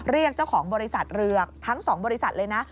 เรียกเจ้าของบริษัทเรือทั้ง๒บริษัทเลยนะ